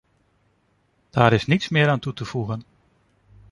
Daar is niets meer aan toe te voegen.